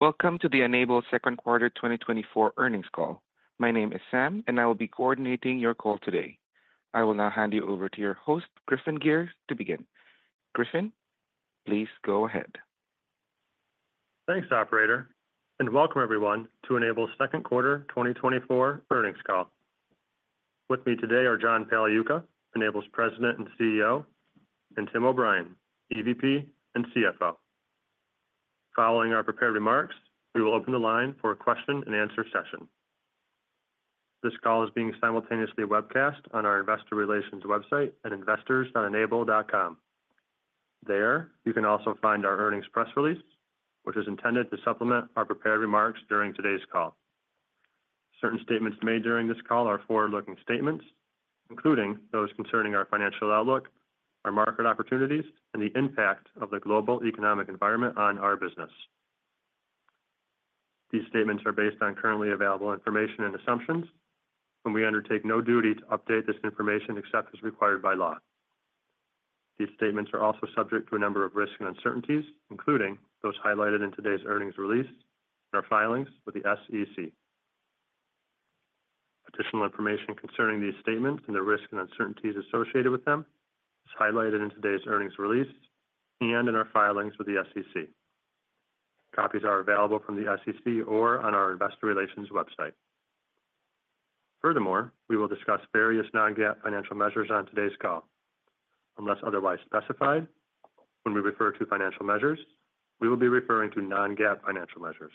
Welcome to the N-able second quarter 2024 earnings call. My name is Sam, and I will be coordinating your call today. I will now hand you over to your host, Griffin Gyr, to begin. Griffin, please go ahead. Thanks, operator, and welcome everyone to N-able second quarter 2024 earnings call. With me today are John Pagliuca, N-able's President and CEO, and Tim O'Brien, EVP and CFO. Following our prepared remarks, we will open the line for a question and answer session. This call is being simultaneously webcast on our investor relations website at investors.n-able.com. There, you can also find our earnings press release, which is intended to supplement our prepared remarks during today's call. Certain statements made during this call are forward-looking statements, including those concerning our financial outlook, our market opportunities, and the impact of the global economic environment on our business. These statements are based on currently available information and assumptions, and we undertake no duty to update this information except as required by law. These statements are also subject to a number of risks and uncertainties, including those highlighted in today's earnings release and our filings with the SEC. Additional information concerning these statements and the risks and uncertainties associated with them is highlighted in today's earnings release and in our filings with the SEC. Copies are available from the SEC or on our investor relations website. Furthermore, we will discuss various non-GAAP financial measures on today's call. Unless otherwise specified, when we refer to financial measures, we will be referring to non-GAAP financial measures.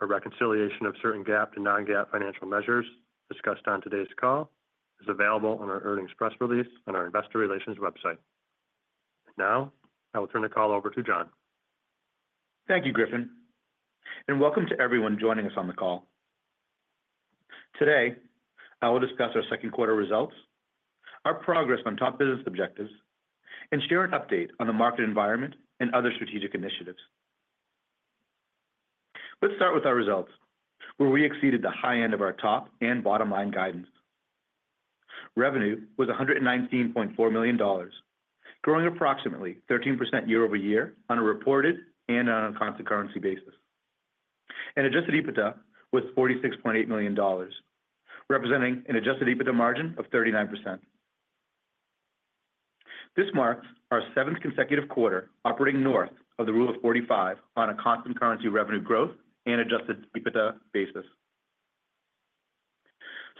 A reconciliation of certain GAAP to non-GAAP financial measures discussed on today's call is available on our earnings press release on our investor relations website. Now, I will turn the call over to John. Thank you, Griffin, and welcome to everyone joining us on the call. Today, I will discuss our second quarter results, our progress on top business objectives, and share an update on the market environment and other strategic initiatives. Let's start with our results, where we exceeded the high end of our top and bottom line guidance. Revenue was $119.4 million, growing approximately 13% year-over-year on a reported and on a constant currency basis. Adjusted EBITDA was $46.8 million, representing an adjusted EBITDA margin of 39%. This marks our seventh consecutive quarter operating north of the Rule of 45 on a constant currency revenue growth and adjusted EBITDA basis.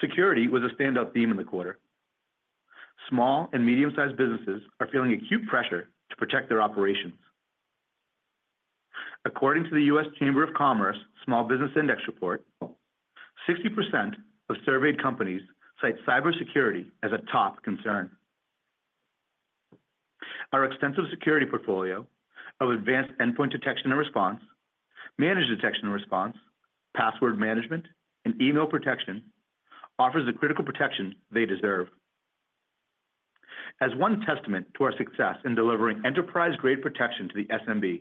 Security was a standout theme in the quarter. Small and medium-sized businesses are feeling acute pressure to protect their operations. According to the US Chamber of Commerce Small Business Index Report, 60% of surveyed companies cite cybersecurity as a top concern. Our extensive security portfolio of advanced endpoint detection and response, managed detection and response, password management, and email protection offers the critical protection they deserve. As one testament to our success in delivering enterprise-grade protection to the SMB,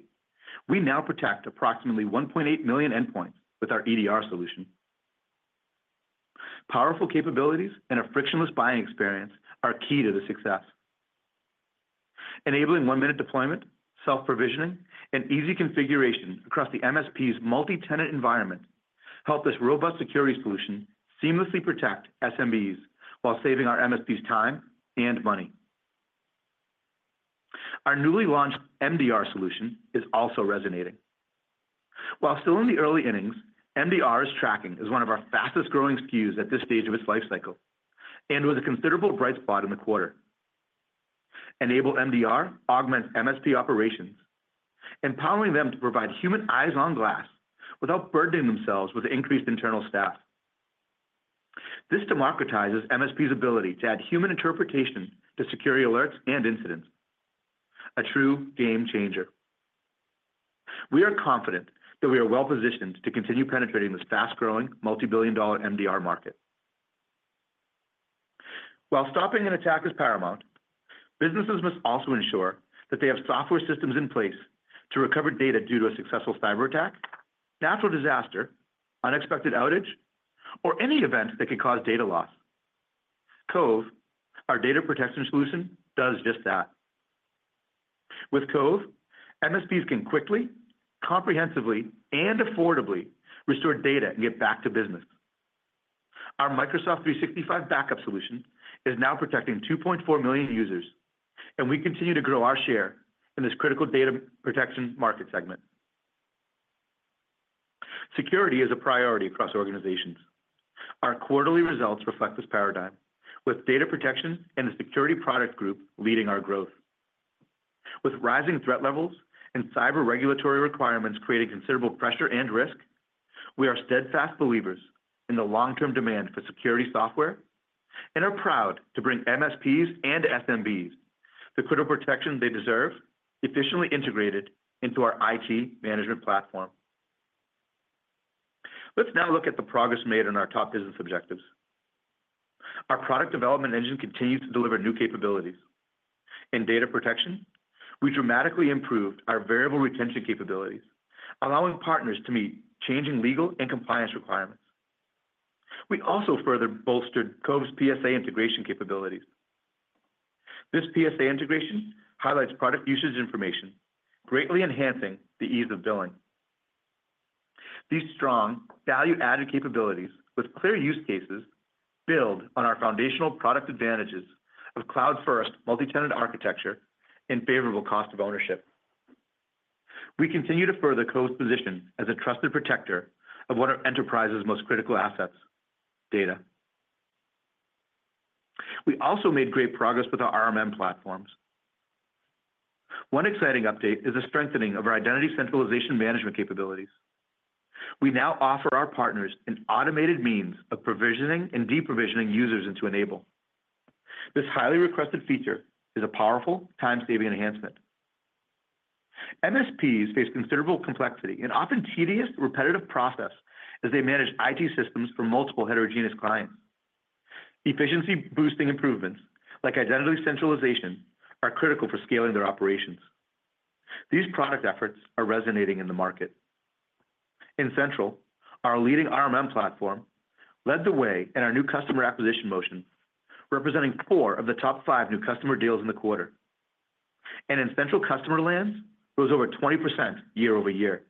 we now protect approximately 1.8 million endpoints with our EDR solution. Powerful capabilities and a frictionless buying experience are key to the success. Enabling 1-minute deployment, self-provisioning, and easy configuration across the MSP's multi-tenant environment help this robust security solution seamlessly protect SMBs while saving our MSPs time and money. Our newly launched MDR solution is also resonating. While still in the early innings, MDR is tracking as one of our fastest-growing SKUs at this stage of its life cycle and was a considerable bright spot in the quarter. N-able MDR augments MSP operations, empowering them to provide human eyes on glass without burdening themselves with increased internal staff. This democratizes MSP's ability to add human interpretation to security alerts and incidents. A true game changer. We are confident that we are well-positioned to continue penetrating this fast-growing, multi-billion-dollar MDR market. While stopping an attack is paramount, businesses must also ensure that they have software systems in place to recover data due to a successful cyberattack, natural disaster, unexpected outage, or any event that could cause data loss. Cove, our data protection solution, does just that. With Cove, MSPs can quickly, comprehensively, and affordably restore data and get back to business. Our Microsoft 365 backup solution is now protecting 2.4 million users, and we continue to grow our share in this critical data protection market segment. Security is a priority across organizations. Our quarterly results reflect this paradigm, with data protection and the security product group leading our growth. With rising threat levels and cyber regulatory requirements creating considerable pressure and risk, we are steadfast believers in the long-term demand for security software and are proud to bring MSPs and SMBs the critical protection they deserve, efficiently integrated into our IT management platform. Let's now look at the progress made on our top business objectives. Our product development engine continues to deliver new capabilities. In data protection, we dramatically improved our variable retention capabilities, allowing partners to meet changing legal and compliance requirements. We also further bolstered Cove's PSA integration capability. This PSA integration highlights product usage information, greatly enhancing the ease of billing. These strong value-added capabilities with clear use cases build on our foundational product advantages of cloud-first multi-tenant architecture and favorable cost of ownership. We continue to further Cove's position as a trusted protector of one of enterprise's most critical assets, data. We also made great progress with our RMM platforms. One exciting update is the strengthening of our identity centralization management capabilities. We now offer our partners an automated means of provisioning and deprovisioning users into N-able. This highly requested feature is a powerful time-saving enhancement. MSPs face considerable complexity and often tedious, repetitive process as they manage IT systems for multiple heterogeneous clients. Efficiency-boosting improvements, like identity centralization, are critical for scaling their operations. These product efforts are resonating in the market. N-central, our leading RMM platform, led the way in our new customer acquisition motion, representing four of the top five new customer deals in the quarter. N-central customer lands, it was over 20% year-over-year.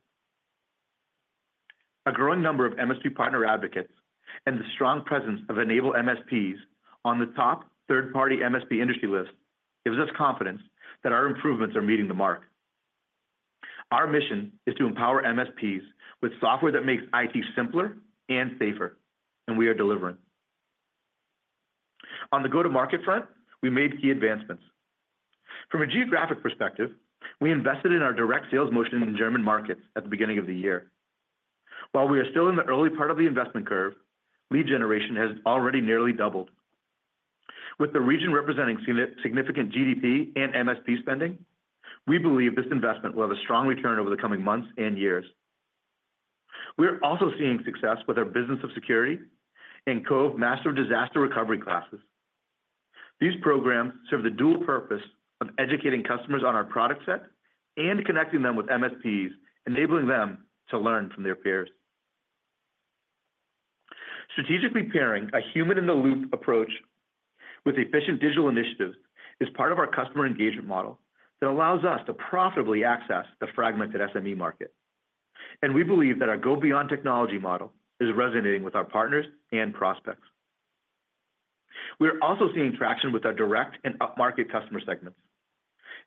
A growing number of MSP partner advocates and the strong presence of N-able MSPs on the top third-party MSP industry list gives us confidence that our improvements are meeting the mark. Our mission is to empower MSPs with software that makes IT simpler and safer, and we are delivering. On the go-to-market front, we made key advancements. From a geographic perspective, we invested in our direct sales motion in German markets at the beginning of the year. While we are still in the early part of the investment curve, lead generation has already nearly doubled. With the region representing significant GDP and MSP spending, we believe this investment will have a strong return over the coming months and years. We are also seeing success with our Business of Security and Cove, MDR, Disaster Recovery classes. These programs serve the dual purpose of educating customers on our product set and connecting them with MSPs, enabling them to learn from their peers. Strategically pairing a human-in-the-loop approach with efficient digital initiatives is part of our customer engagement model that allows us to profitably access the fragmented SME market, and we believe that our go-beyond technology model is resonating with our partners and prospects. We are also seeing traction with our direct and upmarket customer segments.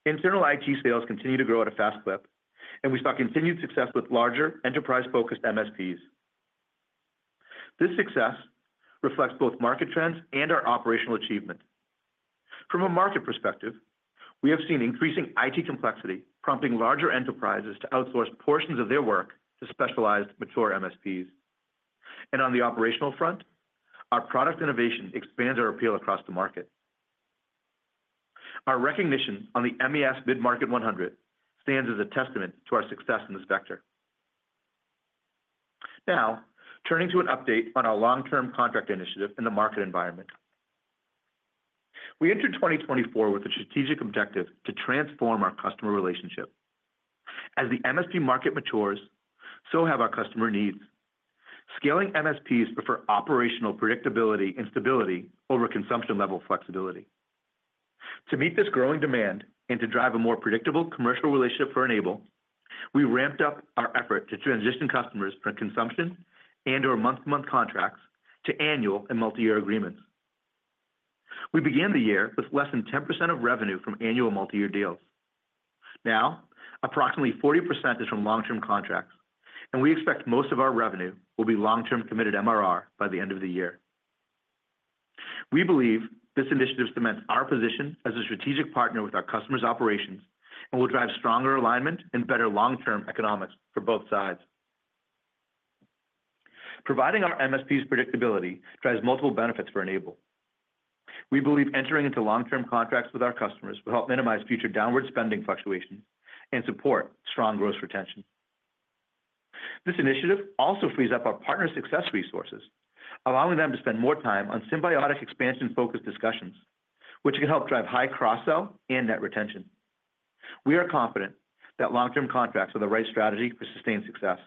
Internal IT sales continue to grow at a fast clip, and we saw continued success with larger enterprise-focused MSPs. This success reflects both market trends and our operational achievements. From a market perspective, we have seen increasing IT complexity, prompting larger enterprises to outsource portions of their work to specialized mature MSPs. On the operational front, our product innovation expands our appeal across the market. Our recognition on the MES Midmarket 100 stands as a testament to our success in this vector. Now, turning to an update on our long-term contract initiative in the market environment. We entered 2024 with a strategic objective to transform our customer relationship. As the MSP market matures, so have our customer needs. Scaling MSPs prefer operational predictability and stability over consumption-level flexibility. To meet this growing demand and to drive a more predictable commercial relationship for N-able, we ramped up our effort to transition customers from consumption and or month-to-month contracts to annual and multi-year agreements. We began the year with less than 10% of revenue from annual multi-year deals. Now, approximately 40% is from long-term contracts, and we expect most of our revenue will be long-term committed MRR by the end of the year. We believe this initiative cements our position as a strategic partner with our customers' operations and will drive stronger alignment and better long-term economics for both sides. Providing our MSPs predictability drives multiple benefits for N-able. We believe entering into long-term contracts with our customers will help minimize future downward spending fluctuations and support strong growth retention. This initiative also frees up our partner success resources, allowing them to spend more time on symbiotic expansion-focused discussions, which can help drive high cross-sell and net retention. We are confident that long-term contracts are the right strategy for sustained success.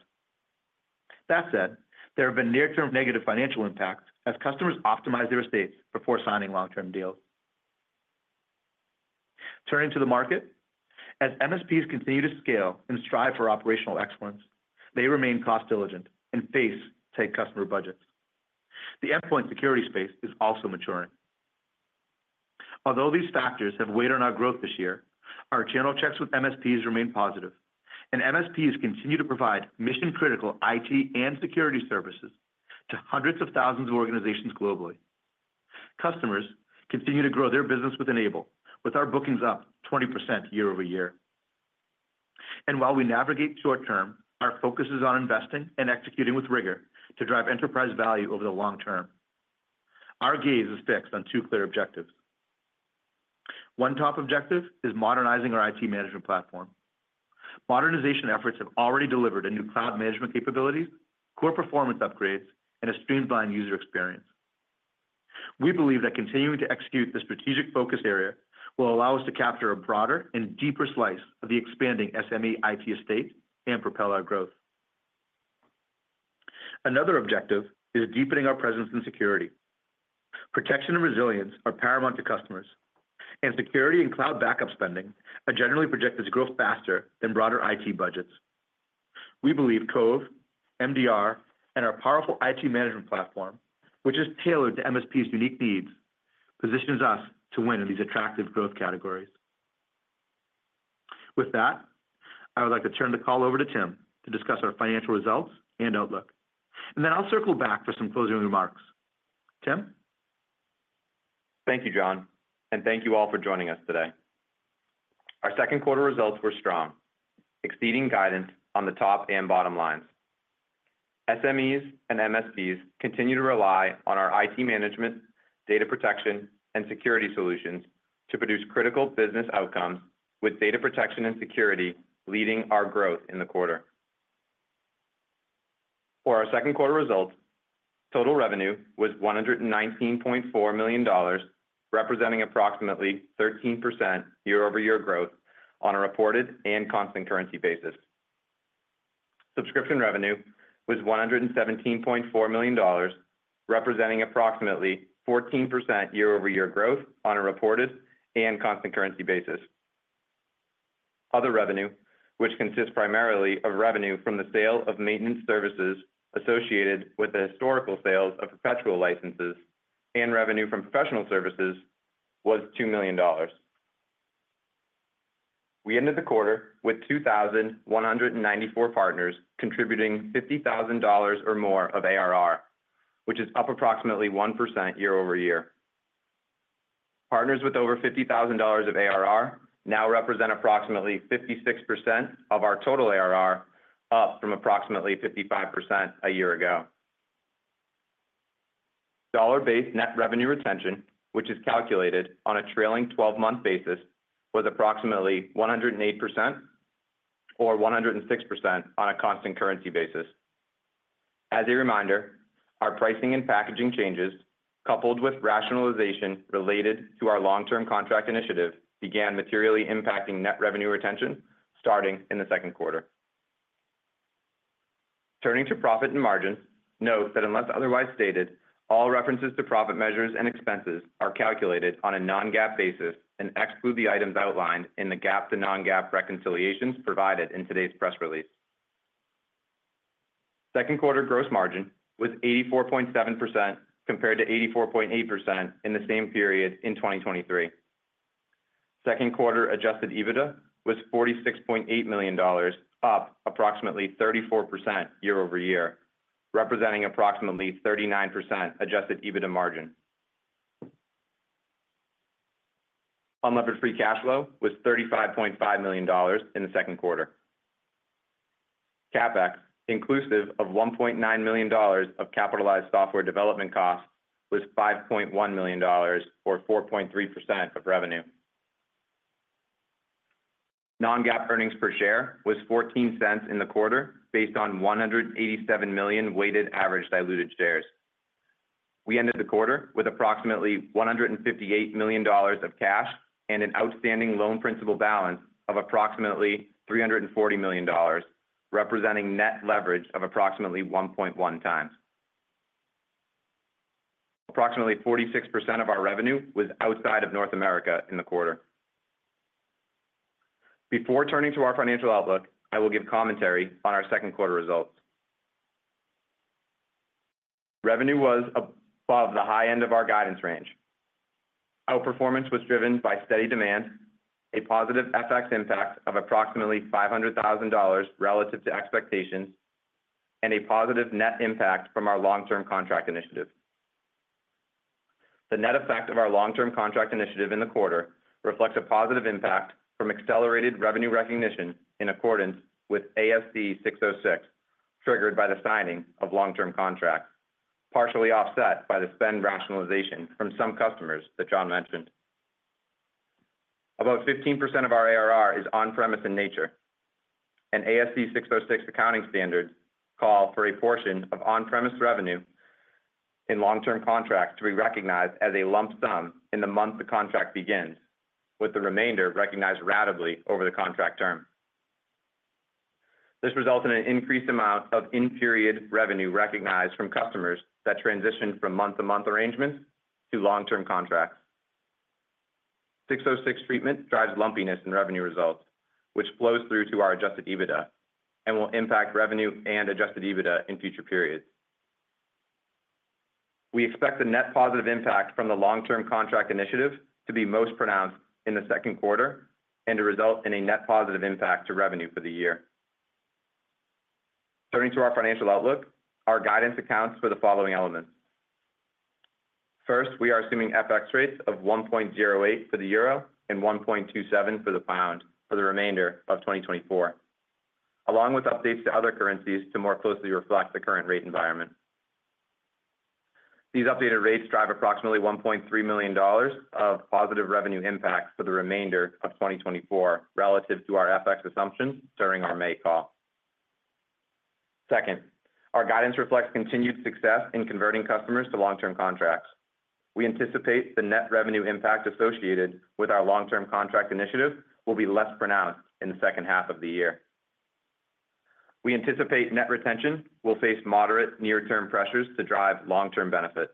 That said, there have been near-term negative financial impacts as customers optimize their estates before signing long-term deals. Turning to the market, as MSPs continue to scale and strive for operational excellence, they remain cost diligent and face tight customer budgets. The endpoint security space is also maturing. Although these factors have weighed on our growth this year, our channel checks with MSPs remain positive, and MSPs continue to provide mission-critical IT and security services to hundreds of thousands of organizations globally. Customers continue to grow their business with N-able, with our bookings up 20% year-over-year. And while we navigate short term, our focus is on investing and executing with rigor to drive enterprise value over the long term. Our gaze is fixed on two clear objectives. One top objective is modernizing our IT management platform. Modernization efforts have already delivered a new cloud management capabilities, core performance upgrades, and a streamlined user experience. We believe that continuing to execute the strategic focus area will allow us to capture a broader and deeper slice of the expanding SME IT estate and propel our growth. Another objective is deepening our presence in security. Protection and resilience are paramount to customers, and security and cloud backup spending are generally projected to grow faster than broader IT budgets. We believe Cove, MDR, and our powerful IT management platform, which is tailored to MSP's unique needs, positions us to win in these attractive growth categories. With that, I would like to turn the call over to Tim to discuss our financial results and outlook, and then I'll circle back for some closing remarks. Tim? Thank you, John, and thank you all for joining us today. Our second quarter results were strong, exceeding guidance on the top and bottom lines. SMEs and MSPs continue to rely on our IT management, data protection, and security solutions to produce critical business outcomes, with data protection and security leading our growth in the quarter. For our second quarter results, total revenue was $119.4 million, representing approximately 13% year-over-year growth on a reported and constant currency basis. Subscription revenue was $117.4 million, representing approximately 14% year-over-year growth on a reported and constant currency basis. Other revenue, which consists primarily of revenue from the sale of maintenance services associated with the historical sales of perpetual licenses and revenue from professional services, was $2 million. We ended the quarter with 2,094 partners contributing $50,000 or more of ARR, which is up approximately 1% year-over-year. Partners with over $50,000 of ARR now represent approximately 56% of our total ARR, up from approximately 55% a year ago. Dollar-based net revenue retention, which is calculated on a trailing twelve-month basis, was approximately 108%, or 106% on a constant currency basis. As a reminder, our pricing and packaging changes, coupled with rationalization related to our long-term contract initiative, began materially impacting net revenue retention starting in the second quarter. Turning to profit and margins, note that unless otherwise stated, all references to profit measures and expenses are calculated on a Non-GAAP basis and exclude the items outlined in the GAAP to Non-GAAP reconciliations provided in today's press release. Second quarter gross margin was 84.7%, compared to 84.8% in the same period in 2023. Second quarter Adjusted EBITDA was $46.8 million, up approximately 34% year-over-year, representing approximately 39% Adjusted EBITDA margin. Unlevered free cash flow was $35.5 million in the second quarter. CapEx, inclusive of $1.9 million of capitalized software development costs, was $5.1 million, or 4.3% of revenue. Non-GAAP earnings per share was $0.14 in the quarter, based on 187 million weighted average diluted shares. We ended the quarter with approximately $158 million of cash and an outstanding loan principal balance of approximately $340 million, representing net leverage of approximately 1.1x. Approximately 46% of our revenue was outside of North America in the quarter. Before turning to our financial outlook, I will give commentary on our second quarter results. Revenue was above the high end of our guidance range. Our performance was driven by steady demand, a positive FX impact of approximately $500,000 relative to expectations, and a positive net impact from our long-term contract initiative. The net effect of our long-term contract initiative in the quarter reflects a positive impact from accelerated revenue recognition in accordance with ASC 606, triggered by the signing of long-term contracts, partially offset by the spend rationalization from some customers that John mentioned. About 15% of our ARR is on-premise in nature, and ASC 606 accounting standards call for a portion of on-premise revenue in long-term contracts to be recognized as a lump sum in the month the contract begins, with the remainder recognized ratably over the contract term. This results in an increased amount of in-period revenue recognized from customers that transition from month-to-month arrangements to long-term contracts. 606 treatment drives lumpiness in revenue results, which flows through to our Adjusted EBITDA and will impact revenue and Adjusted EBITDA in future periods. We expect the net positive impact from the long-term contract initiative to be most pronounced in the second quarter and to result in a net positive impact to revenue for the year. Turning to our financial outlook, our guidance accounts for the following elements. First, we are assuming FX rates of 1.08 for the euro and 1.27 for the pound for the remainder of 2024, along with updates to other currencies to more closely reflect the current rate environment. These updated rates drive approximately $1.3 million of positive revenue impacts for the remainder of 2024 relative to our FX assumptions during our May call. Second, our guidance reflects continued success in converting customers to long-term contracts. We anticipate the net revenue impact associated with our long-term contract initiative will be less pronounced in the second half of the year. We anticipate net retention will face moderate near-term pressures to drive long-term benefit.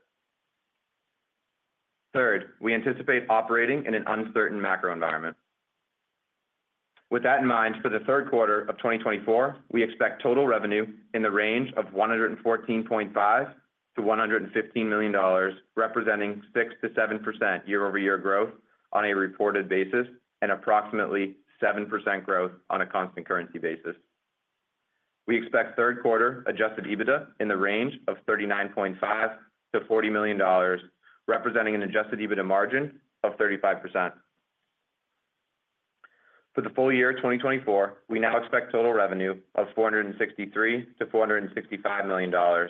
Third, we anticipate operating in an uncertain macro environment. With that in mind, for the third quarter of 2024, we expect total revenue in the range of $114.5 million-$115 million, representing 6%-7% year-over-year growth on a reported basis and approximately 7% growth on a constant currency basis. We expect third quarter Adjusted EBITDA in the range of $39.5 million-$40 million, representing an Adjusted EBITDA margin of 35%. For the full year of 2024, we now expect total revenue of $463 million-$465 million,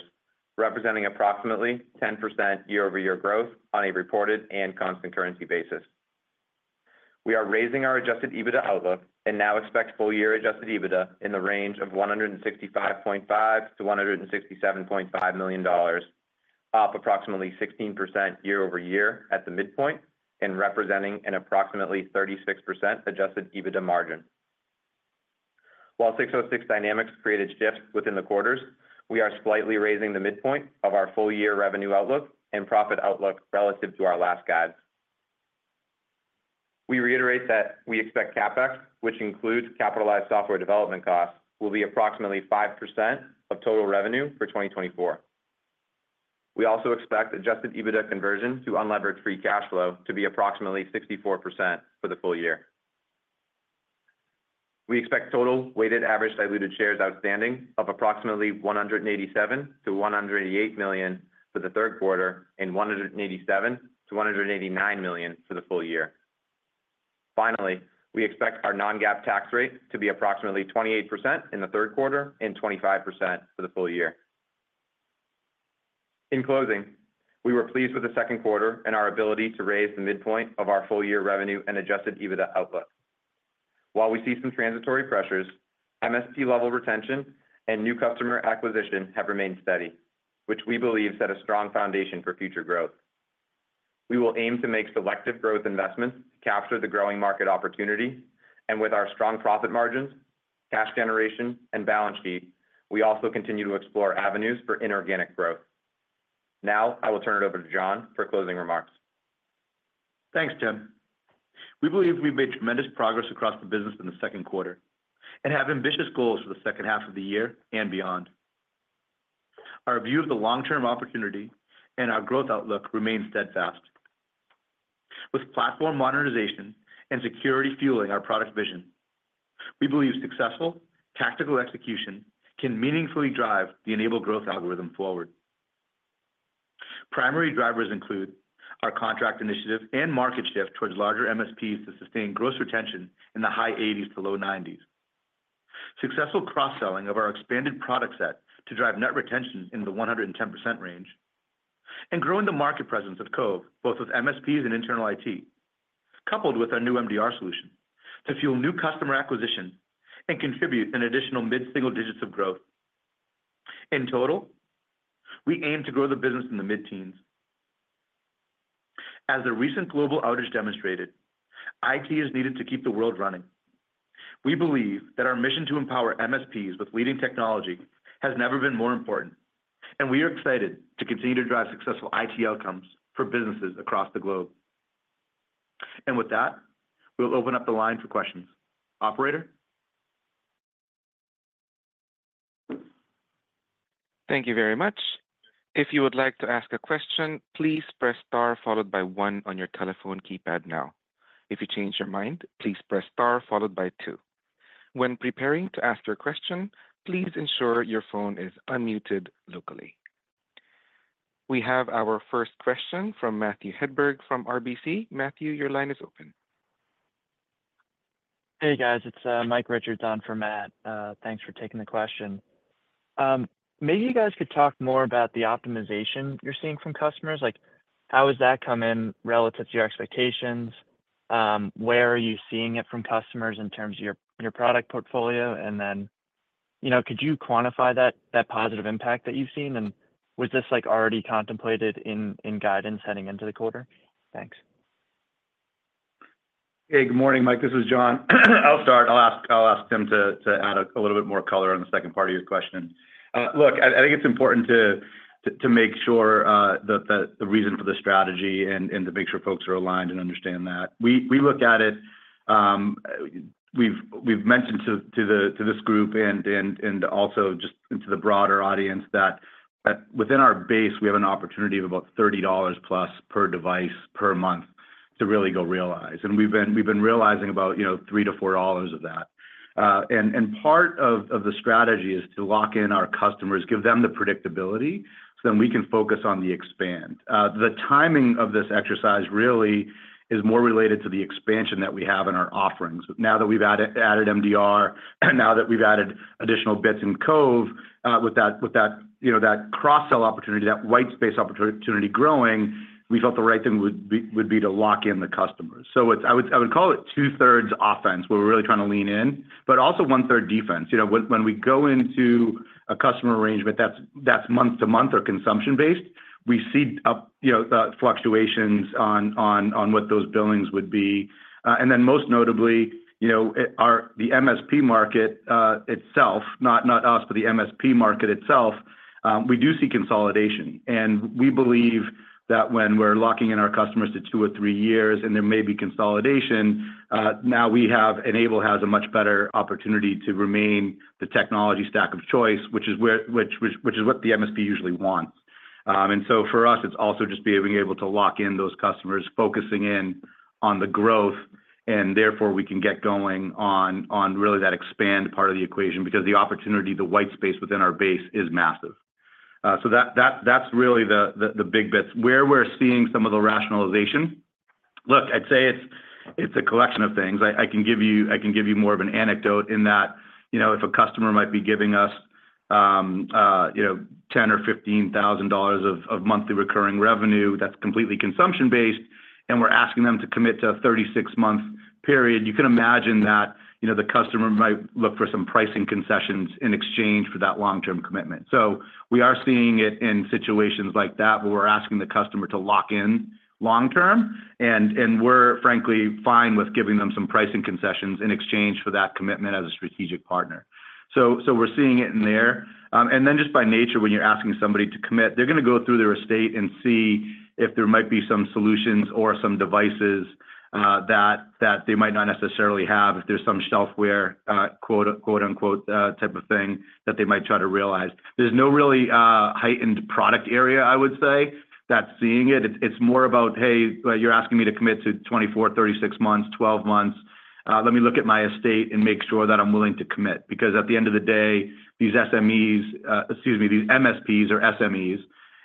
representing approximately 10% year-over-year growth on a reported and constant currency basis. We are raising our Adjusted EBITDA outlook and now expect full-year Adjusted EBITDA in the range of $165.5 million-$167.5 million, up approximately 16% year-over-year at the midpoint and representing an approximately 36% Adjusted EBITDA margin. While 606 dynamics created shifts within the quarters, we are slightly raising the midpoint of our full-year revenue outlook and profit outlook relative to our last guide. We reiterate that we expect CapEx, which includes capitalized software development costs, will be approximately 5% of total revenue for 2024. We also expect Adjusted EBITDA conversion to unlevered free cash flow to be approximately 64% for the full year. We expect total weighted average diluted shares outstanding of approximately 187-188 million for the third quarter and 187-189 million for the full year. Finally, we expect our non-GAAP tax rate to be approximately 28% in the third quarter and 25% for the full year. In closing, we were pleased with the second quarter and our ability to raise the midpoint of our full-year revenue and Adjusted EBITDA outlook. While we see some transitory pressures, MSP level retention and new customer acquisition have remained steady, which we believe set a strong foundation for future growth. We will aim to make selective growth investments to capture the growing market opportunity, and with our strong profit margins, cash generation, and balance sheet, we also continue to explore avenues for inorganic growth. Now, I will turn it over to John for closing remarks. Thanks, Tim. We believe we've made tremendous progress across the business in the second quarter and have ambitious goals for the second half of the year and beyond. Our view of the long-term opportunity and our growth outlook remains steadfast. With platform modernization and security fueling our product vision, we believe successful tactical execution can meaningfully drive the N-able growth algorithm forward. Primary drivers include our contract initiative and market shift towards larger MSPs to sustain gross retention in the high 80s to low 90s. Successful cross-selling of our expanded product set to drive net retention in the 110% range, and growing the market presence of Cove, both with MSPs and internal IT, coupled with our new MDR solution, to fuel new customer acquisition and contribute an additional mid-single digits of growth. In total, we aim to grow the business in the mid-teens. As the recent global outage demonstrated, IT is needed to keep the world running. We believe that our mission to empower MSPs with leading technology has never been more important, and we are excited to continue to drive successful IT outcomes for businesses across the globe. And with that, we'll open up the line for questions. Operator? Thank you very much. If you would like to ask a question, please press Star followed by one on your telephone keypad now. If you change your mind, please press Star followed by two. When preparing to ask your question, please ensure your phone is unmuted locally. We have our first question from Matthew Hedberg, from RBC. Matthew, your line is open. Hey, guys, it's Mike Richards on for Matt. Thanks for taking the question. Maybe you guys could talk more about the optimization you're seeing from customers. Like, how has that come in relative to your expectations? Where are you seeing it from customers in terms of your product portfolio? And then, you know, could you quantify that positive impact that you've seen, and was this, like, already contemplated in guidance heading into the quarter? Thanks. Hey, good morning, Mike. This is John. I'll start. I'll ask Tim to add a little bit more color on the second part of your question. Look, I think it's important to make sure that the reason for the strategy and to make sure folks are aligned and understand that. We look at it. We've mentioned to this group and also just to the broader audience that within our base we have an opportunity of about $30 plus per device per month, to really go realize, and we've been realizing about, you know, $3-$4 of that. And part of the strategy is to lock in our customers, give them the predictability, so then we can focus on the expand. The timing of this exercise really is more related to the expansion that we have in our offerings. Now that we've added MDR, and now that we've added additional bits in Cove, with that, you know, that cross-sell opportunity, that white space opportunity growing, we felt the right thing would be to lock in the customers. So it's. I would call it two-thirds offense, where we're really trying to lean in, but also one-third defense. You know, when we go into a customer arrangement that's month to month or consumption-based, we see, you know, fluctuations on what those billings would be. And then, most notably, you know, the MSP market itself, not us, but the MSP market itself, we do see consolidation. And we believe that when we're locking in our customers to two or three years, and there may be consolidation, now we have, N-able has a much better opportunity to remain the technology stack of choice, which is what the MSP usually wants. And so for us, it's also just being able to lock in those customers, focusing in on the growth, and therefore, we can get going on really that expand part of the equation. Because the opportunity, the white space within our base is massive. So that, that's really the big bits. Where we're seeing some of the rationalization, look, I'd say it's a collection of things. I can give you more of an anecdote in that, you know, if a customer might be giving us, you know, $10,000 or $15,000 of monthly recurring revenue that's completely consumption-based, and we're asking them to commit to a 36-month period, you can imagine that, you know, the customer might look for some pricing concessions in exchange for that long-term commitment. So we are seeing it in situations like that, where we're asking the customer to lock in long term, and we're frankly fine with giving them some pricing concessions in exchange for that commitment as a strategic partner. So, we're seeing it in there. And then, just by nature, when you're asking somebody to commit, they're gonna go through their estate and see if there might be some solutions or some devices that they might not necessarily have, if there's some shelfware, quote-unquote, "type of thing" that they might try to realize. There's no really heightened product area, I would say, that's seeing it. It's more about, "Hey, you're asking me to commit to 24, 36 months, 12 months, let me look at my estate and make sure that I'm willing to commit." Because at the end of the day, these SMEs, excuse me, these MSPs are SMEs,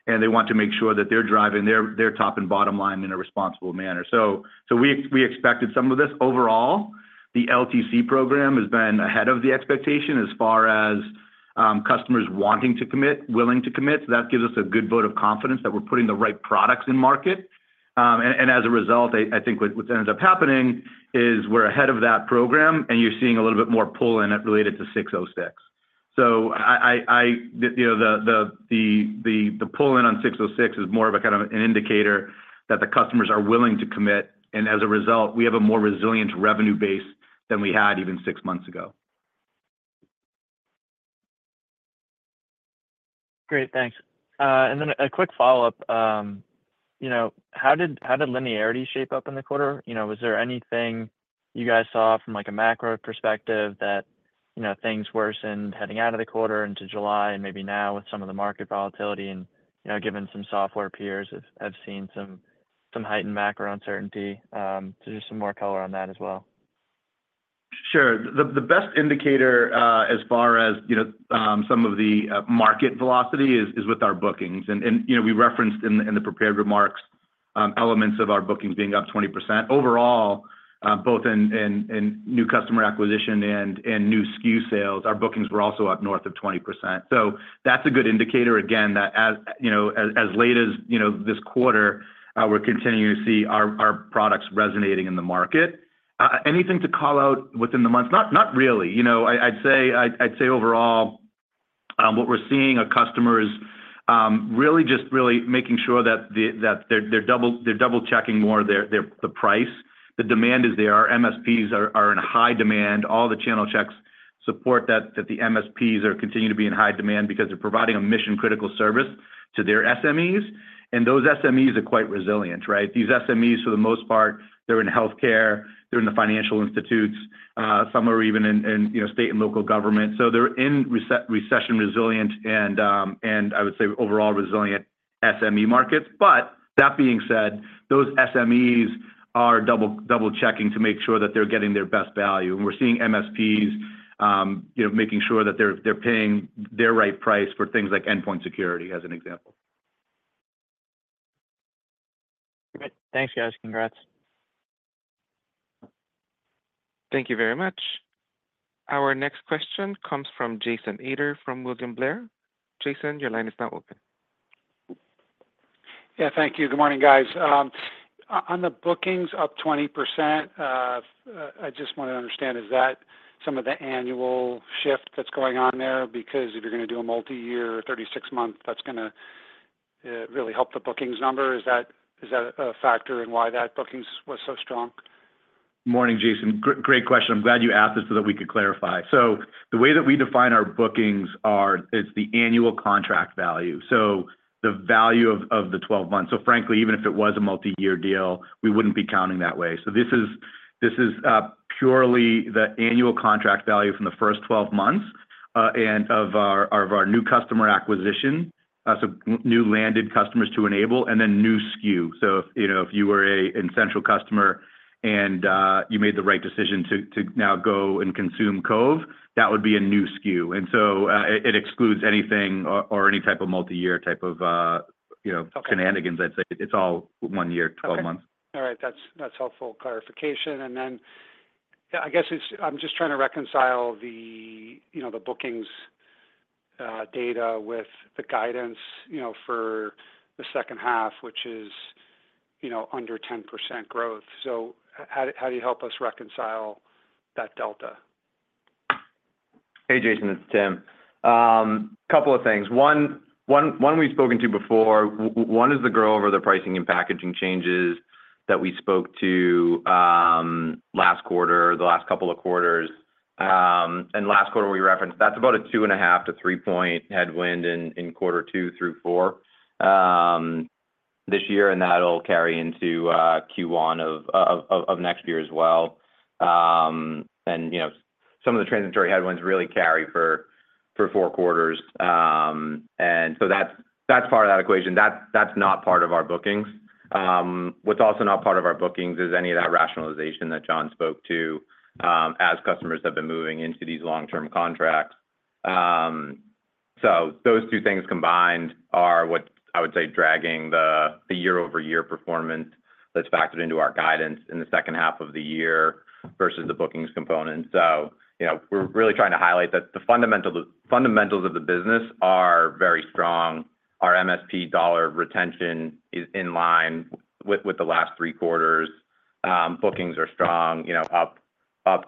and they want to make sure that they're driving their top and bottom line in a responsible manner. So, we expected some of this. Overall, the LTC program has been ahead of the expectation as far as customers wanting to commit, willing to commit, so that gives us a good vote of confidence that we're putting the right products in market. And as a result, I think what ends up happening is we're ahead of that program, and you're seeing a little bit more pull in it related to 606. So, you know, the pull in on 606 is more of a kind of an indicator that the customers are willing to commit, and as a result, we have a more resilient revenue base than we had even six months ago. Great, thanks. And then a quick follow-up, you know, how did linearity shape up in the quarter? You know, was there anything you guys saw from, like, a macro perspective that, you know, things worsened heading out of the quarter into July and maybe now with some of the market volatility and, you know, given some software peers have seen some heightened macro uncertainty? So just some more color on that as well. Sure. The best indicator, as far as, you know, some of the market velocity is with our bookings. And you know, we referenced in the prepared remarks elements of our bookings being up 20%. Overall, both in new customer acquisition and new SKU sales, our bookings were also up north of 20%. So that's a good indicator, again, that as, you know, as late as, you know, this quarter, we're continuing to see our products resonating in the market. Anything to call out within the months? Not really. You know, I'd say, I'd say overall, what we're seeing are customers really just really making sure that they're double-checking more their the price. The demand is there. Our MSPs are in high demand. All the channel checks support that the MSPs are continuing to be in high demand because they're providing a mission-critical service to their SMEs, and those SMEs are quite resilient, right? These SMEs, for the most part, they're in healthcare, they're in the financial institutions, some are even in you know, state and local government. So they're in recession resilient and I would say overall resilient SME markets. But that being said, those SMEs are double-checking to make sure that they're getting their best value. And we're seeing MSPs, you know, making sure that they're paying their right price for things like endpoint security, as an example. Great. Thanks, guys. Congrats. Thank you very much. Our next question comes from Jason Ader from William Blair. Jason, your line is now open. Yeah, thank you. Good morning, guys. On the bookings up 20%, I just want to understand, is that some of the annual shift that's going on there? Because if you're gonna do a multi-year or 36-month, that's gonna really help the bookings number. Is that, is that a factor in why that bookings was so strong? Morning, Jason. Great question. I'm glad you asked this so that we could clarify. So the way that we define our bookings are, is the annual contract value, so the value of, of the 12 months. So frankly, even if it was a multi-year deal, we wouldn't be counting that way. So this is, this is, purely the annual contract value from the first 12 months, and of our, of our new customer acquisition. So, new landed customers to enable, and then new SKU. So if, you know, if you were a N-central customer and, you made the right decision to, to now go and consume Cove, that would be a new SKU. And so, it, it excludes anything or, or any type of multi-year type of, you know, shenanigans, I'd say. It's all one year, 12 months. Okay. All right. That's, that's helpful clarification. And then, I guess it's—I'm just trying to reconcile the, you know, the bookings data with the guidance, you know, for the second half, which is, you know, under 10% growth. So how, how do you help us reconcile that delta? Hey, Jason, it's Tim. Couple of things. One we've spoken to before. One is the growth over the pricing and packaging changes that we spoke to last quarter, the last couple of quarters. And last quarter, we referenced, that's about a 2.5-3-point headwind in quarter two through four this year, and that'll carry into Q1 of next year as well. And you know, some of the transitory headwinds really carry for four quarters. And so that's part of that equation. That's not part of our bookings. What's also not part of our bookings is any of that rationalization that John spoke to as customers have been moving into these long-term contracts. So those two things combined are what I would say, dragging the year-over-year performance that's factored into our guidance in the second half of the year versus the bookings component. So, you know, we're really trying to highlight that the fundamentals of the business are very strong. Our MSP dollar retention is in line with the last three quarters. Bookings are strong, you know, up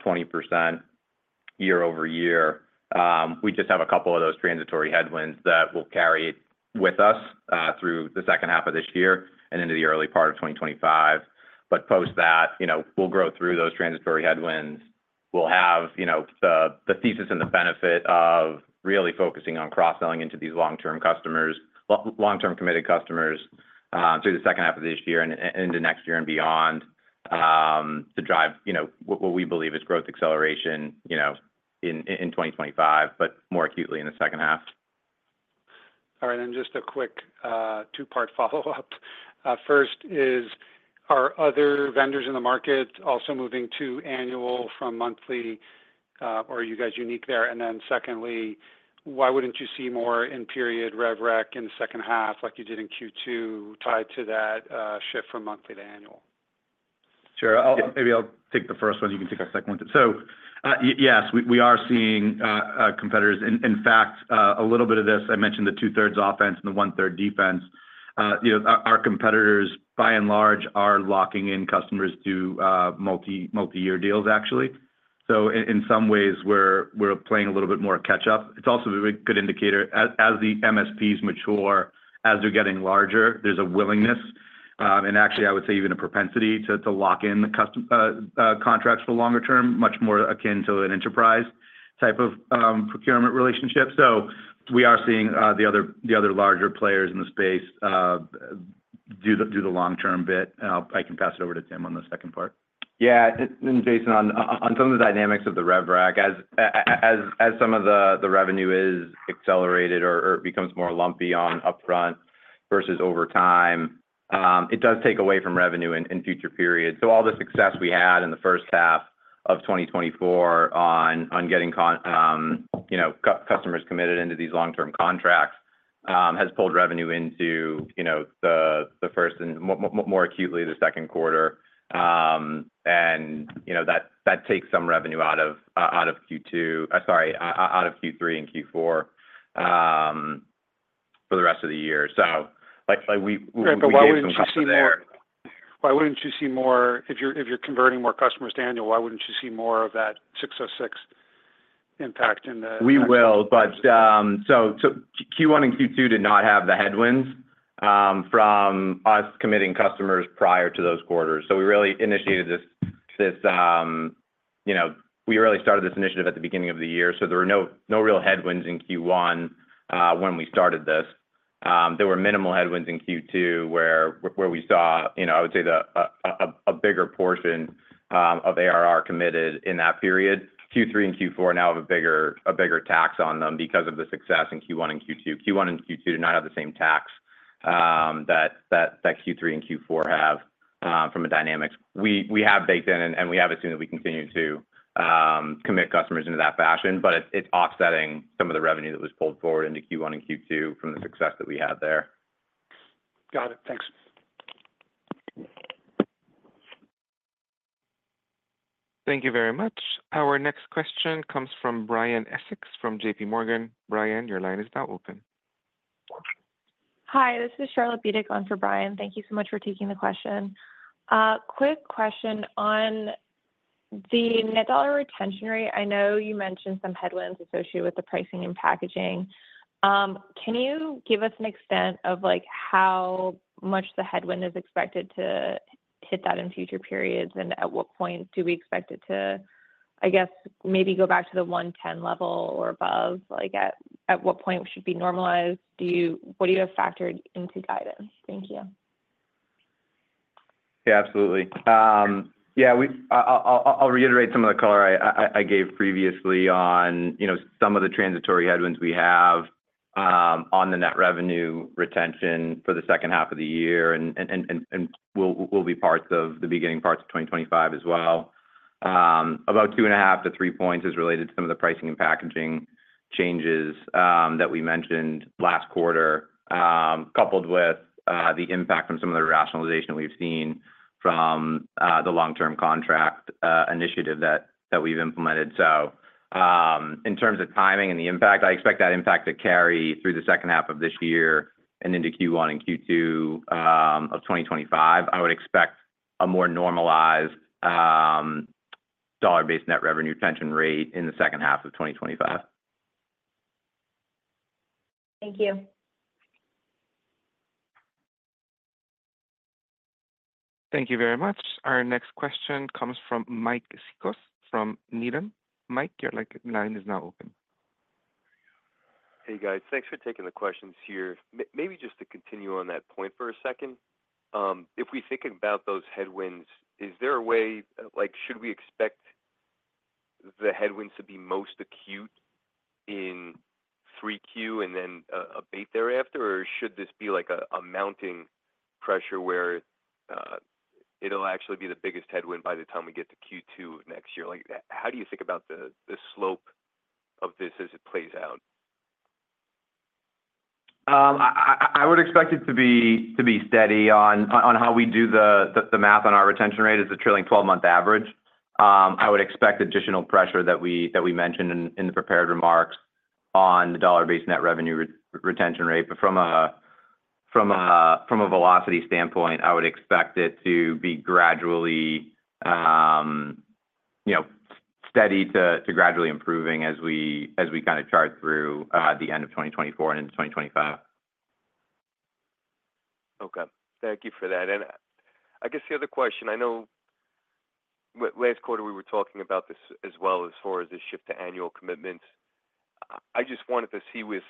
20% year-over-year. We just have a couple of those transitory headwinds that will carry with us through the second half of this year and into the early part of 2025. But post that, you know, we'll grow through those transitory headwinds. We'll have, you know, the thesis and the benefit of really focusing on cross-selling into these long-term customers, long-term committed customers, through the second half of this year and into next year and beyond, to drive, you know, what we believe is growth acceleration, you know, in 2025, but more acutely in the second half. All right. And just a quick, two-part follow-up. First is, are other vendors in the market also moving to annual from monthly, or are you guys unique there? And then secondly, why wouldn't you see more in period rev rec in the second half, like you did in Q2, tied to that, shift from monthly to annual? Sure. I'll maybe take the first one, you can take our second one. So yes, we are seeing competitors. In fact, a little bit of this, I mentioned the two-thirds offense and the one-third defense. You know, our competitors, by and large, are locking in customers to multi-year deals, actually. So in some ways, we're playing a little bit more catch up. It's also a very good indicator. As the MSPs mature, as they're getting larger, there's a willingness and actually, I would say even a propensity to lock in the customer contracts for longer term, much more akin to an enterprise type of procurement relationship. So we are seeing the other larger players in the space do the long-term bit. And I can pass it over to Tim on the second part. Yeah, and Jason, on some of the dynamics of the rev rec, as some of the revenue is accelerated or it becomes more lumpy on upfront versus over time, it does take away from revenue in future periods. So all the success we had in the first half of 2024 on getting, you know, customers committed into these long-term contracts has pulled revenue into, you know, the first and more acutely, the second quarter. And, you know, that takes some revenue out of Q3 and Q4 for the rest of the year. So like, we Right, but why wouldn't you see more- Gave some customer there. Why wouldn't you see more? If you're, if you're converting more customers to annual, why wouldn't you see more of that 606 impact in the next- We will, but, so Q1 and Q2 did not have the headwinds from us committing customers prior to those quarters. So we really initiated this, you know, we really started this initiative at the beginning of the year, so there were no real headwinds in Q1 when we started this. There were minimal headwinds in Q2, where we saw, you know, I would say, a bigger portion of ARR committed in that period. Q3 and Q4 now have a bigger tax on them because of the success in Q1 and Q2. Q1 and Q2 do not have the same tax that Q3 and Q4 have from a dynamics. We have baked in, and we have it soon that we continue to commit customers into that fashion, but it's offsetting some of the revenue that was pulled forward into Q1 and Q2 from the success that we had there. Got it. Thanks. Thank you very much. Our next question comes from Brian Essex from J.P. Morgan. Brian, your line is now open. Hi, this is Charlotte on for Brian. Thank you so much for taking the question. Quick question on the net dollar retention rate. I know you mentioned some headwinds associated with the pricing and packaging. Can you give us an extent of, like, how much the headwind is expected to hit that in future periods? And at what point do we expect it to, I guess, maybe go back to the 110 level or above? Like, at what point should be normalized? What do you have factored into guidance? Thank you. Yeah, absolutely. Yeah, I'll reiterate some of the color I gave previously on, you know, some of the transitory headwinds we have on the net revenue retention for the second half of the year, and will be parts of the beginning parts of 2025 as well. About 2.5-3 points is related to some of the pricing and packaging changes that we mentioned last quarter, coupled with the impact from some of the rationalization we've seen from the long-term contract initiative that we've implemented. So, in terms of timing and the impact, I expect that impact to carry through the second half of this year and into Q1 and Q2 of 2025. I would expect a more normalized, dollar-based net revenue retention rate in the second half of 2025. Thank you. Thank you very much. Our next question comes from Mike Cikos from Needham. Mike, your line is now open. Hey, guys. Thanks for taking the questions here. Maybe just to continue on that point for a second, if we think about those headwinds, is there a way... Like, should we expect the headwinds to be most acute in 3Q and then abate thereafter, or should this be like a mounting pressure where it'll actually be the biggest headwind by the time we get to Q2 of next year? Like, how do you think about the, the slope of this as it plays out? I would expect it to be steady on how we do the math on our retention rate is a trailing 12-month average. I would expect additional pressure that we mentioned in the prepared remarks on the dollar-based net revenue retention rate. But from a velocity standpoint, I would expect it to be gradually, you know, steady to gradually improving as we kind of chart through the end of 2024 and into 2025. Okay. Thank you for that. And I guess the other question, I know last quarter, we were talking about this as well, as far as the shift to annual commitments. I just wanted to see with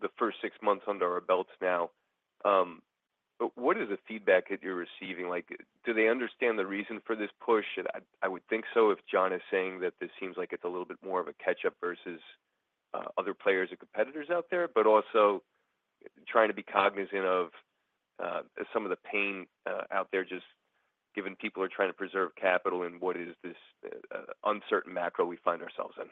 the first six months under our belts now, what is the feedback that you're receiving? Like, do they understand the reason for this push? And I, I would think so if John is saying that this seems like it's a little bit more of a catch-up versus other players or competitors out there, but also trying to be cognizant of some of the pain out there, just given people are trying to preserve capital in what is this uncertain macro we find ourselves in.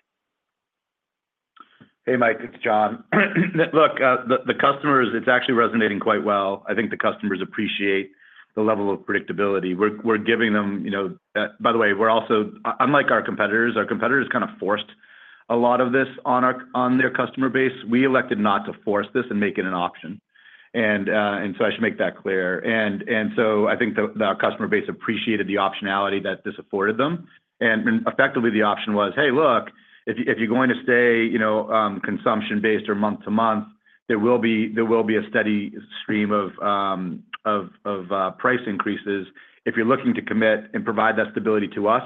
Hey, Mike, it's John. Look, the customers, it's actually resonating quite well. I think the customers appreciate the level of predictability. We're giving them, you know. By the way, we're also, unlike our competitors, our competitors kind of forced a lot of this on their customer base. We elected not to force this and make it an option. And so I should make that clear. And so I think our customer base appreciated the optionality that this afforded them. And effectively, the option was, hey, look, if you're going to stay, you know, consumption-based or month to month, there will be a steady stream of price increases. If you're looking to commit and provide that stability to us,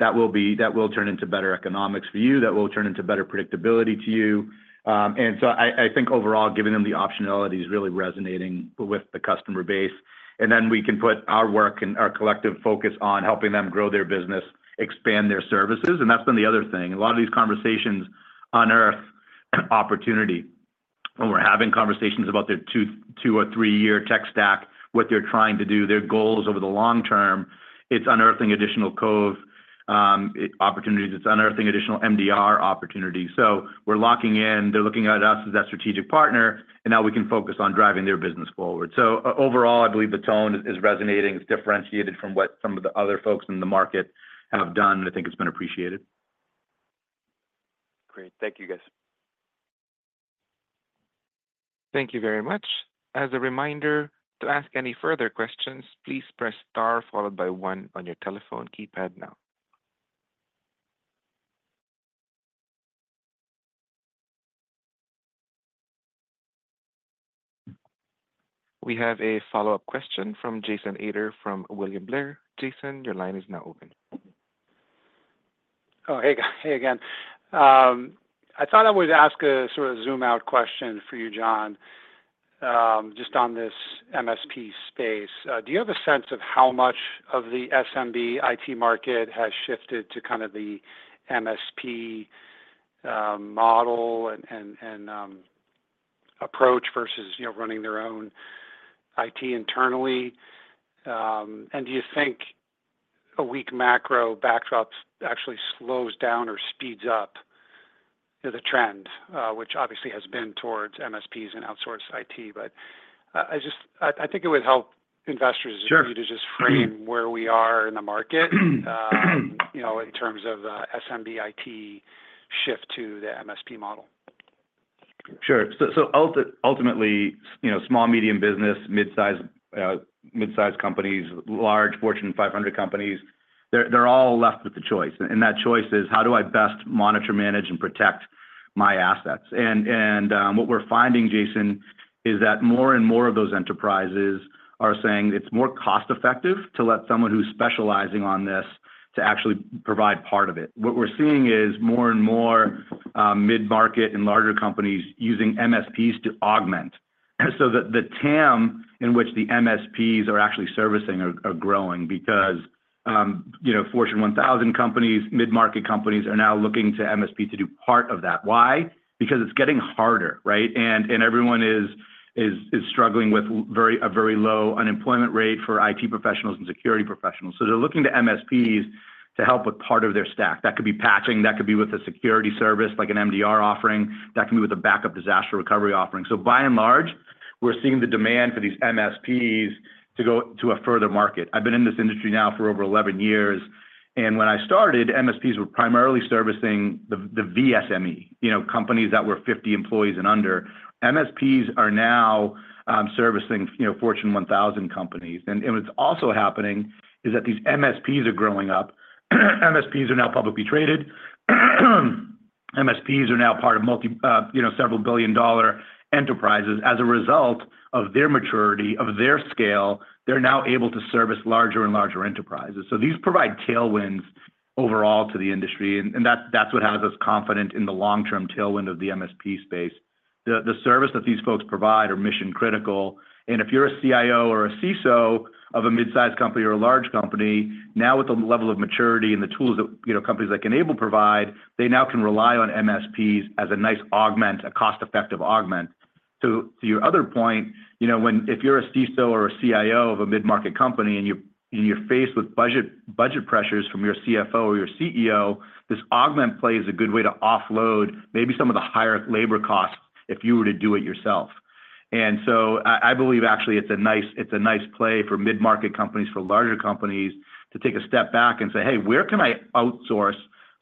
that will be that will turn into better economics for you, that will turn into better predictability to you. And so I think overall, giving them the optionality is really resonating with the customer base, and then we can put our work and our collective focus on helping them grow their business, expand their services. That's been the other thing. A lot of these conversations unearth an opportunity. When we're having conversations about their 2- or 3-year tech stack, what they're trying to do, their goals over the long term, it's unearthing additional Cove opportunities. It's unearthing additional MDR opportunities. So we're locking in. They're looking at us as that strategic partner, and now we can focus on driving their business forward. So overall, I believe the tone is resonating. It's differentiated from what some of the other folks in the market have done, and I think it's been appreciated. Great. Thank you, guys. Thank you very much. As a reminder, to ask any further questions, please press Star, followed by One on your telephone keypad now. We have a follow-up question from Jason Ader from William Blair. Jason, your line is now open. Oh, hey, hey again. I thought I would ask a sort of zoom out question for you, John, just on this MSP space. Do you have a sense of how much of the SMB IT market has shifted to kind of the MSP model and approach versus, you know, running their own IT internally? And do you think a weak macro backdrop actually slows down or speeds up the trend, which obviously has been towards MSPs and outsourced IT? But, I think it would help investors- Sure to just frame where we are in the market, you know, in terms of, SMB IT shift to the MSP model. Sure. So, ultimately, you know, small medium business, mid-size, mid-size companies, large Fortune 500 companies, they're all left with the choice, and that choice is: How do I best monitor, manage, and protect my assets? What we're finding, Jason, is that more and more of those enterprises are saying it's more cost-effective to let someone who's specializing on this to actually provide part of it. What we're seeing is more and more, midmarket and larger companies using MSPs to augment. And so the TAM in which the MSPs are actually servicing are growing because, you know, Fortune 1000 companies, midmarket companies, are now looking to MSP to do part of that. Why? Because it's getting harder, right? Everyone is struggling with a very low unemployment rate for IT professionals and security professionals. So they're looking to MSPs to help with part of their stack. That could be patching, that could be with a security service, like an MDR offering, that can be with a backup disaster recovery offering. So by and large, we're seeing the demand for these MSPs to go to a further market. I've been in this industry now for over 11 years, and when I started, MSPs were primarily servicing the VSB, you know, companies that were 50 employees and under. MSPs are now servicing, you know, Fortune 1000 companies. And what's also happening is that these MSPs are growing up. MSPs are now publicly traded. MSPs are now part of you know, several billion-dollar enterprises. As a result of their maturity, of their scale, they're now able to service larger and larger enterprises. So these provide tailwinds overall to the industry, and that's what has us confident in the long-term tailwind of the MSP space. The service that these folks provide are mission-critical, and if you're a CIO or a CISO of a mid-sized company or a large company, now with the level of maturity and the tools that, you know, companies like N-able provide, they now can rely on MSPs as a nice augment, a cost-effective augment. To your other point, you know, if you're a CISO or a CIO of a midmarket company, and you're faced with budget pressures from your CFO or your CEO, this augment play is a good way to offload maybe some of the higher labor costs if you were to do it yourself. And so I believe actually it's a nice play for midmarket companies, for larger companies, to take a step back and say, "Hey, where can I outsource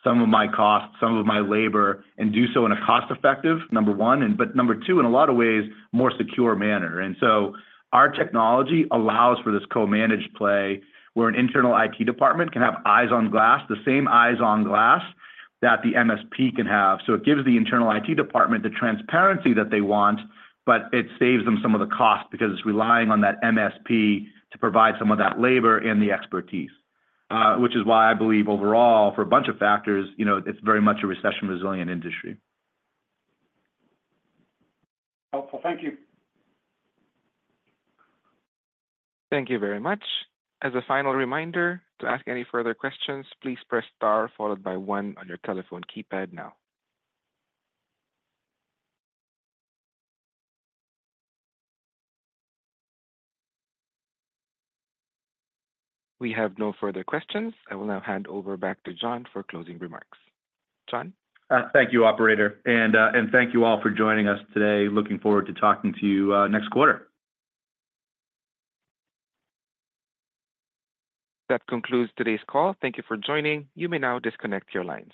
some of my costs, some of my labor, and do so in a cost-effective, number one, and but number two, in a lot of ways, more secure manner?" And so our technology allows for this co-managed play, where an internal IT department can have eyes on glass, the same eyes on glass that the MSP can have. So it gives the internal IT department the transparency that they want, but it saves them some of the cost because it's relying on that MSP to provide some of that labor and the expertise. Which is why I believe overall, for a bunch of factors, you know, it's very much a recession-resilient industry. Helpful. Thank you. Thank you very much. As a final reminder, to ask any further questions, please press Star followed by One on your telephone keypad now. We have no further questions. I will now hand over back to John for closing remarks. John? Thank you, operator, and thank you all for joining us today. Looking forward to talking to you next quarter. That concludes today's call. Thank you for joining. You may now disconnect your lines.